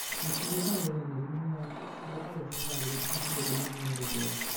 Il segretario venne rinominato "segretario generale del Consiglio dell'Unione europea".